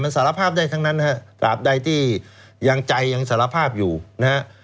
สารภาพได้ทั้งนั้นนะฮะตราบใดที่ยังใจยังสารภาพอยู่นะฮะ